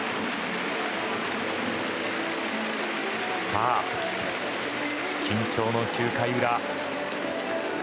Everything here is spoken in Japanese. さあ、緊張の９回の裏。